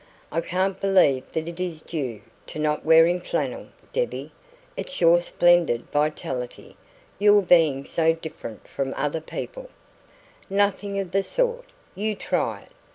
"I can't believe that it is due to not wearing flannel, Debbie. It's your splendid vitality your being so different from other people " "Nothing of the sort! You try it.